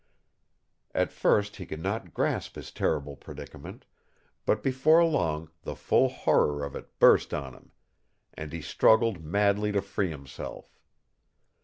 At first he could not grasp his terrible predicament, but before long the full horror of it burst on him and he struggled madly to free himself.